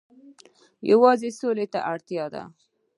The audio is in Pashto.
یوازې سولې ته اړتیا ده.